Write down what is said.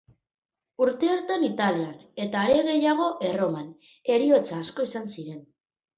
Urte hartan Italian, eta are gehiago Erroman, heriotza asko izan ziren.